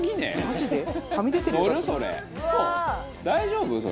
「大丈夫？